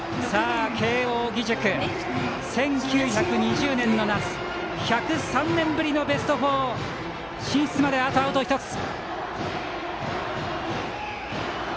慶応義塾１９２０年の夏１０３年ぶりのベスト４進出まであとアウト１つ。